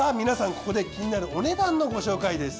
ここで気になるお値段のご紹介です。